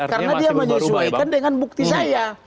karena dia menyesuaikan dengan bukti saya